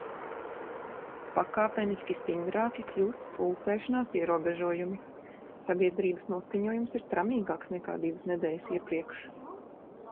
Pakāpeniski stingrāki kļūst pulcēšanās ierobežojumi. Sabiedrības noskaņojums ir tramīgāks nekā divas nedēļas iepriekš.